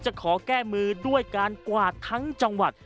ขอแก้มือด้วยการกวาดทั้งจังหวัด